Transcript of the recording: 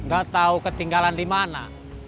gak tahu ketinggalan dimana